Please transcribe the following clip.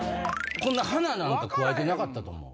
花なんかくわえてなかったと思う。